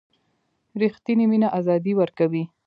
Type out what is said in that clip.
ریښتینې مینه آزادي ورکوي.